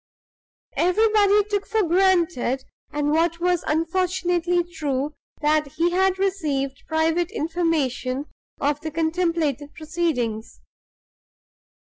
Everybody took for granted (what was unfortunately true) that he had received private information of the contemplated proceedings.